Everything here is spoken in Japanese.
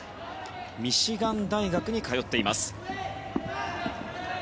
ミシガン大学に通っています。